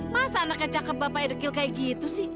masa anaknya cakep bapaknya dekil kayak gitu sih